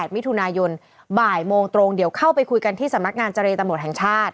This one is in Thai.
มิถุนายนบ่ายโมงตรงเดี๋ยวเข้าไปคุยกันที่สำนักงานเจรตำรวจแห่งชาติ